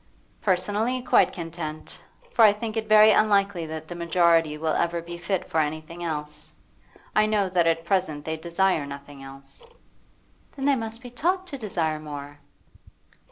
'Personally, quite content; for I think it very unlikely that the majority will ever be fit for anything else. I know that at present they desire nothing else.' 'Then they must be taught to desire more.